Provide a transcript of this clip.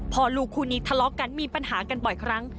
พ่อลูกคู่นี้ทะเลาะกันมีปัญหากันบ่อยครั้ง